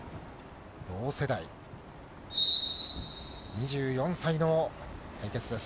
同世代、２４歳の対決です。